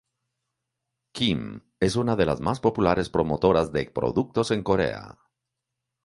Kim es una de las más populares promotoras de productos en Corea.